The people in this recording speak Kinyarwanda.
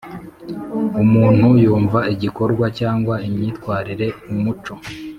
umuntu yumva igikorwa cyangwa imyitwarire umuco